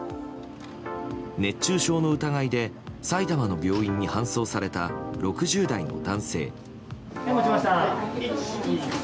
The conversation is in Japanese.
熱中症の疑いで埼玉の病院に搬送された６０代の男性。